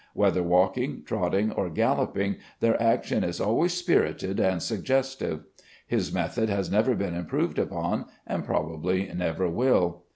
Whether walking, trotting, or galloping, their action is always spirited and suggestive. His method has never been improved upon, and probably never will.